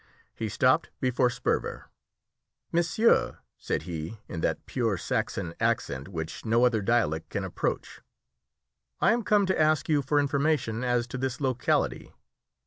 He stopped before Sperver. "Monsieur," said he in that pure Saxon accent which no other dialect can approach, "I am come to ask you for information as to this locality.